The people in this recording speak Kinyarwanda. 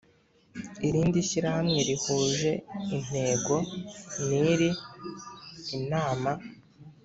Irindi shyirahamwe rihuje intego n iri inama